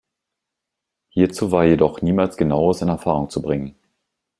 Hierzu war jedoch niemals Genaueres in Erfahrung zu bringen.